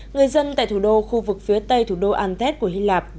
người dân tại thủ đô khu vực phía tây thủ đô antet của hy lạp